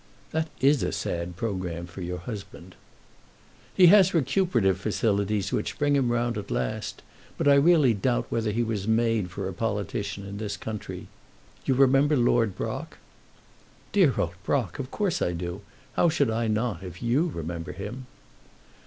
"That is a sad programme for your husband." "He has recuperative faculties which bring him round at last: but I really doubt whether he was made for a politician in this country. You remember Lord Brock?" "Dear old Brock; of course I do. How should I not, if you remember him?"